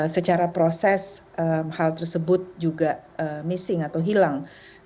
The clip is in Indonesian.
secara proses hal tersebut juga missing atau hilang